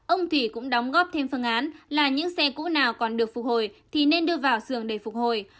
ông thủy cũng đóng góp thêm phương án là những xe cũ nào còn được phục hồi thì nên đưa vào sườn để phục hồi